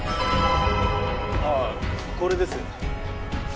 ああこれです。